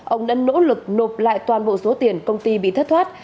ông đã nỗ lực nộp lại toàn bộ số tiền công ty bị thất thoát